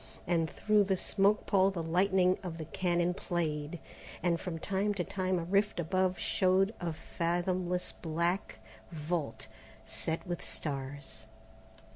And through the smoke pall the lightning of the cannon played, while from time to time a rift above showed a fathomless black vault set with stars.